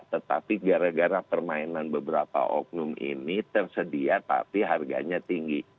tetapi gara gara permainan beberapa oknum ini tersedia tapi harganya tinggi